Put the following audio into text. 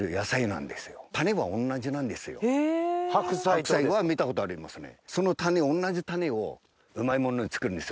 白菜は見たことありますよね？